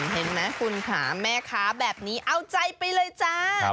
เห็นไหมคุณค่ะแม่ค้าแบบนี้เอาใจไปเลยจ้า